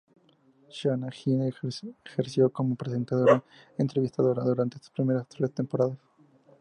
Shana Hiatt ejerció como presentadora y entrevistadora durante sus primeras tres temporadas.